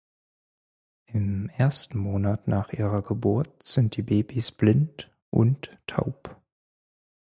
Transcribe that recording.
Im ersten Monat nach ihrer Geburt sind die Babys blind und taub.